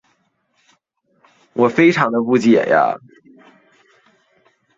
纳米比亚议会是纳米比亚的国家立法机关。